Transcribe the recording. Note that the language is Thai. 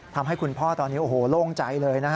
ทำให้คุณพ่อตอนนี้โล่งใจเลย